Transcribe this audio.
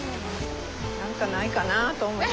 何かないかなと思って。